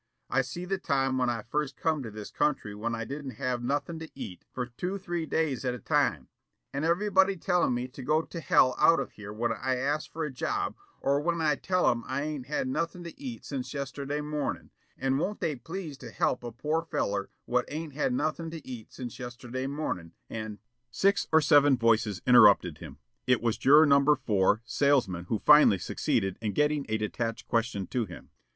I see the time when I first come to this country when I didn't have nothing to eat for two three days at a time, and ever'body tellin' me to go to hell out of here when I ask for a job or when I tell 'em I ain't had nothing to eat since yesterday morning and won't they please to help a poor feller what ain't had nothing to eat since yesterday morning, and " Six or seven voices interrupted him. It was Juror No. 4, salesman, who finally succeeded in getting a detached question to him.